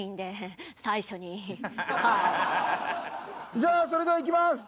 じゃあそれではいきます。